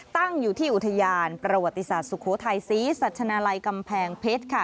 ตั้งอยู่ที่อุทยานประวัติศาสตร์สุโขทัยศรีสัชนาลัยกำแพงเพชรค่ะ